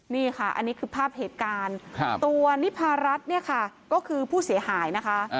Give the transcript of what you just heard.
นี่ค่ะอันนี้คือภาพเหตุการณ์ตัวนิพารัฐเนี่ยค่ะก็คือผู้เสียหายนะคะ